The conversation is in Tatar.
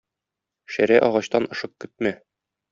Шәрә агачтан ышык көтмә.